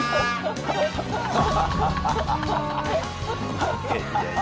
ハハハハ！